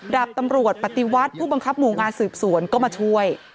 ดาบตำรวจปฏิวัติผู้บังคับหมู่งานสืบสวนก็มาช่วย